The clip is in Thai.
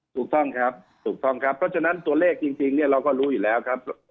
ถูกต้องครับถูกต้องครับเพราะฉะนั้นตัวเลขจริงเนี่ยเราก็รู้อยู่แล้วครับ